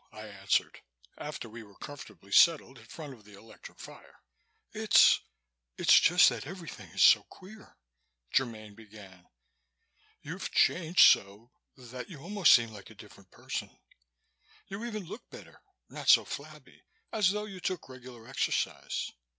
I answered, after we were comfortably settled in front of the electric fire. "It's it's just that everything is so queer," Germaine began. "You've changed so that you almost seem like a different person. You even look better, not so flabby, as though you took regular exercise.